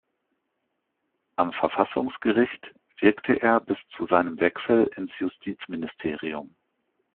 Am Verfassungsgericht wirkte er bis zu seinem Wechsel ins Justizministerium.